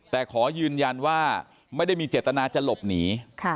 แต่ขอยืนยันว่าไม่ได้มีเจตนาจะหลบหนี